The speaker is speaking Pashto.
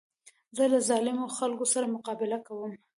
زه له ظالمو خلکو سره مقابله کوم.